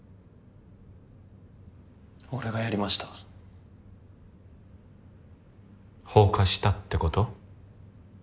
俺がやりました放火したってこと？